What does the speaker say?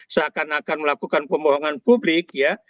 seakan akan melakukan pembohongan publik ya